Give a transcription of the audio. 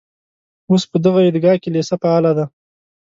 اوس په دغه عیدګاه کې لېسه فعاله ده.